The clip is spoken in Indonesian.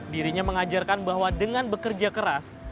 dirinya mengajarkan bahwa dengan bekerja keras